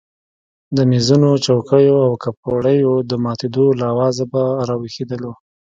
د مېزونو چوکیو او کپړیو د ماتېدو له آوازه به راویښېدلو.